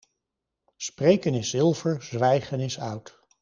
Spreken is zilver, zwijgen is oud.